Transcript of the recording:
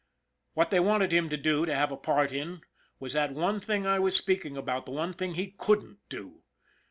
What they wanted him to do, to have a part in, was that one thing I was speaking about, the one thing he couldn't do.